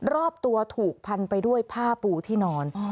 รอบตัวถูกพันไปด้วยผ้าปูที่นอน